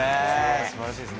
すばらしいですね。